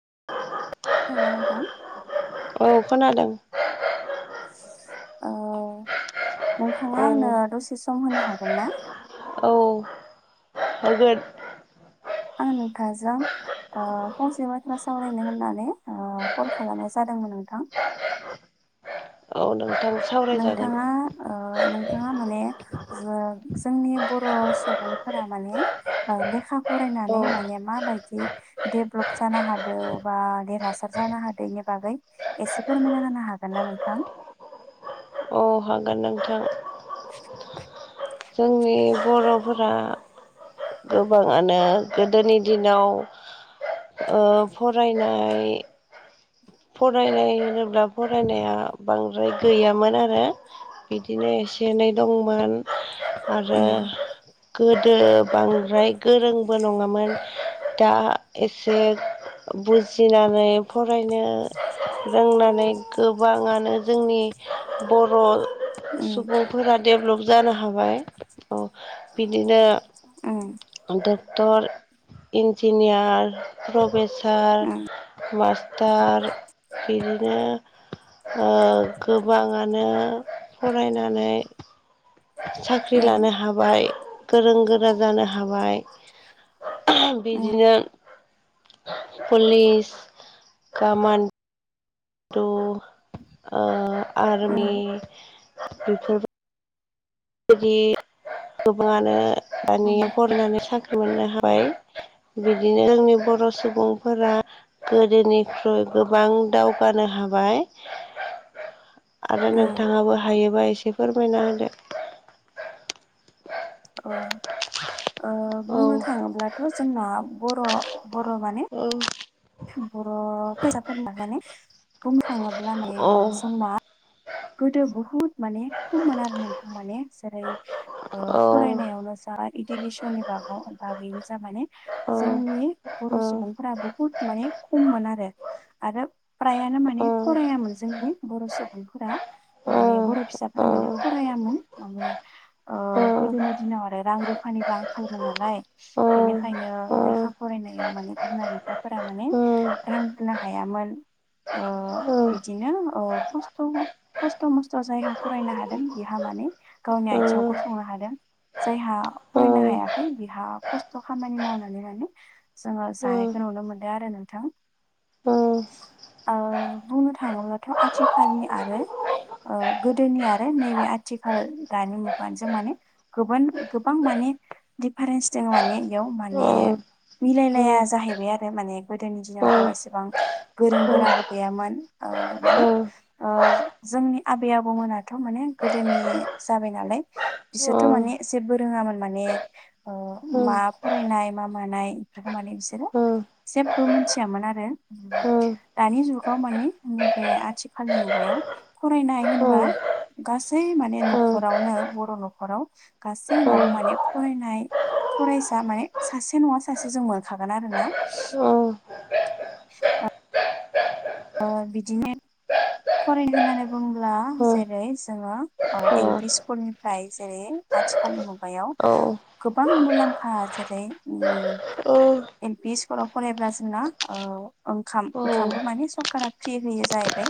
[inaudible] खोनादोंना नोंथां? औ खोनादों। ओ औ नोंथाङा आंनो दसे सम होनो हागोन ना? औ होगोन। आं नोंथांजों ओ फंसे बाथ्रा सावरायनो होननानै ओ कल खालामनाय जादोंमोन नोंथां। औ नोंथां सावरायजागोन नोंथाङा ओ नों बिथाङा माने जो जोंनि बर' सुबुंफोरा माने लेखा औ फरायनानै माने मा बायदि। देभेलप जानो हादों बा देरहासार जानो हादों बेनि बागै एसे फोरमायना हो होनो हागोन ना नोंथां? औ हागोन नोंथां। [inaudible] जोंनि बर'फोरा। गोबाङानो गोदोनि दिनाव। ओ फरायनाय। फरायनाय होनोब्ला फरायनाया बांद्राय गैयामोन आरो बिदिनो एसे। नाय दंमोन आरो उम गोदो। बांद्राय गोरोंबो नङामोन दा एसे। बुजिनानै फरायनो रोंनानै गोबाङानो जोंनि बर'। उम सुबुंफोरा डेभलप जानो हाबाय औ बि ओं। डक्टर, इन्जिनियार, प्रफेस सार, मासास्टार बिदिनो। ओ गोबाङानो फरायनानै। साख्रि लानो उम हाबाय गोरों गोरा जानो हाबाय। उम बिदिनो। Police, command'. थ' आर्मि उम बेफोरबो बिदि गोबाङानो दानि उम फरायनानै साख्रि मोननो हाबाय। बिदिनो जोंनि बर' सुबुंफोरा गोदोनिख्रुइ गोबां दावगानो हायो। हाबाय आरो उम नोंथाङाबो हायोबा एसे फोरमायना होदो। अ अ औ बुंनो थाङोब्लाथ' जोंना बर' बर' माने औ। बर' फैसाफोरनि माने बुंनो थाङोब्ला माने औ जोंना गोदो बहुत माने खममोन आरो नोंथां माने जेरै औ फरायनायावनो जा इडुकेसननि बागाव बागैनो ज माने जोंनि बर' औ सुबुंफोरा बुहुद माने खममोन आरो आरो फ्रायानो औ औ माने फरायामोन जोंनि बर' सुबुंफोरा औ माने बर' फिसाफोरा माने औ फरायामोन माने ओ औ औ गोदोनि औ दिनाव आरो रां रुफानिबो आंखालमोन नालाय औ बेनिखायनो लेखा फरायनायाव बि फोर माने औ रां होनो हायामोन। ओ बिदिनो खस खस्थ' मस्थ' जायहा फरायनो हादों बिहा मानो गावनि आथिङावखौ संनो हादों। जायहा फरायनो हायाखै बिहा खस्थ' खामानि मावनानै मान जोङो जानायखौ नुनो मोनो। दा आरो नोंथां। ओ बुंनो थाङोब्लाथ' आथिखालनि आरो ओ गोदोनि आरो नैबे आथिखाल दानि मुगानो जों माने गोबां गोबां माने नि डिफिरेन्स दङ माने बेयाव माने मिलायलाया जाहैबाय आरो माने गोदोनि दिनावथ' एसेबां गोरों गोराबो गैयामोन औ माने ओ जोंनि आबै आबौमोनाथ' माने गोदोनि जाबाय नालाय औ बिसोरथ' माने जे बो रोङामोन माने औ मा फरायनाय मा मानाय बेफोरखौ माने बिसोरो जेबो मिथियामोन आरो दानि जुगाव मानि नैबे आथिखालनि मुगायाव फरायनाय होनबा गासै माने न'खरावनो बर' न'खराव गासैनाव माने फरायनाय फरायसा माने सासे नङा सासे जों मोनखागोन आरो ना। औ ओ बिदिनो फरायनो होननानै बुङोब्ला जेरै जोङो ओ एल फि स्कुलनिफ्राय जेरै आथिखाल मुगायाव गोबां मुलाम्फा जेरै उम एल पि स्कुलाव फरायब्ला जोंना ओ ओंखाम ओंखामबो माने सं सरकारा फ्रि होयो जाहैबाय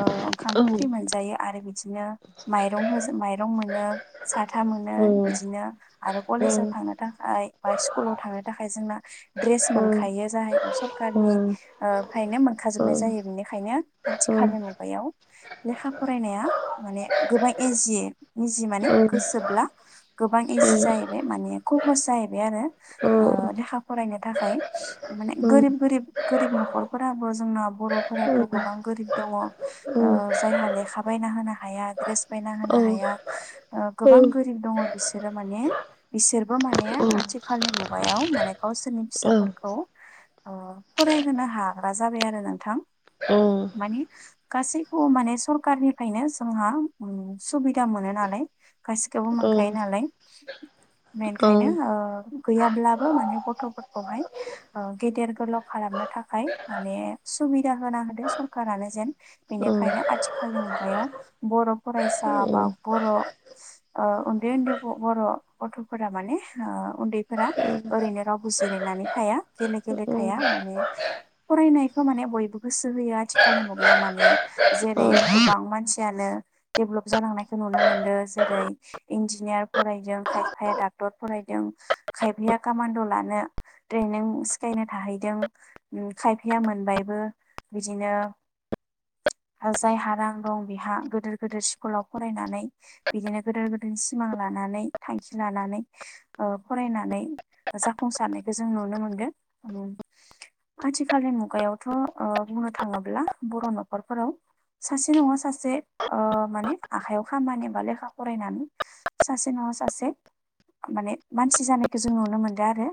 ओ ओंखामबो फ्रि मोनजायो आरो बिदिनो माइरं होजोब माइरं मोनो साथा मोनो बिदिनो आरो कलेजाव थांनो थाखाय बा स्कुलाव थांनो थाखाय जोंना द्रेस मोनखायो ज सखारनिनो मोनोबनाय‌ जायो बेनिखायनो आथिखालनि मुगायाव लेखा फरायनाया माने गोबां एजि। निजि माने गोसोब्ला गोबां इजि जाहैबाय माने खबस जाहैबाय आरो। ओ लेखा फरायनो थाखाय माने गोरिब गोरिब गोरिब न'खरफोराबो जोंना बर'फोराथ' गोबां गोरिब दङ ओ जायहा लेखा बायना होनो हाया दड्रेस बायना होनो हाया गोबां गोरिब दङ बिसोरो माने बिसोरबो माने आथिखालनि मुगायाव माने गावसोरनि फिसाफोरखौ‌ ओ फरायहोनो हाग्रा जाबाय आरो नोंथां। माने गासैखौबो माने सरखारारनिफ्रायनो जोंहा उम सुबिदा मोनो नालाय। गासिखौबो मोनखायो नालाय। बेखायनो गैयाब्लाबो माने गथ'फोरखौहाय गेदेर गोलाव खालाम नो थाखाय माने सुबिदा होना होदो सरखारानो जेन बेनिखायनो आथिखालनि मुगायाव बर' फरायसा बा बर' ओ उन्दैन्दै बर' गथ'फोरा माने उन्दै फोरा ओरैनो रावबो जिरायनानै थाया गेले गेले थाया माने फरायनाय माने बयबोसो होयो आथिखालनि मुगायाव माने जेरै गोबां मानसियानो लब जालांनायखौ नुनो मोन्दों जेरै इन्जिनियार फरायदों खायफाया डाक्टर फरायदों खायफाया कामान्द' लानो ट्रेनिं सिखायनो थाहैदों खायफाया मोन बायबो बिदिनो [inaudible] जायहा रां दं बिहा गिदिर गोिदोर स्कुलाव फरायनानै बिदिनो गोदोर गोदोर सिमां लाना नै थांखि लानानै फरायनानै जाफुंसारनायखौ जों नुनो मोनगोन आजिखाालनि मुगायावा थ बुंनो थाङोब्ला बर' न'खरफोराव सासे नङा सासे ओ माने आखायाव खामानि बा लेखा फरायनानै सासे नङा सासे माने मानसि जानायखौ जों नुनो मोनदों आरो